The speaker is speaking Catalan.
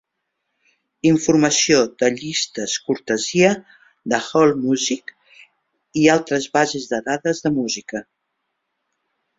Informació de llistes cortesia d'Allmusic i altres bases de dades de música.